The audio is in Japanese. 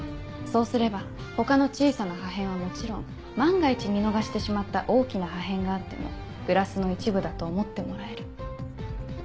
そうすれば他の小さな破片はもちろん万が一見逃してしまった大きな破片があってもグラスの一部だと思ってもらえる。